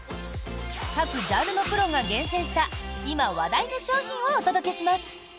各ジャンルのプロが厳選した今、話題の商品をお届けします。